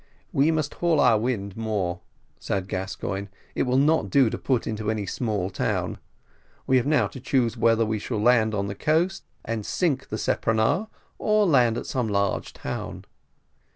"We must haul our wind more," said Gascoigne; "it will not do to put into any small town: we have now to choose, whether we shall land on the coast and sink the speronare, or land at some large town."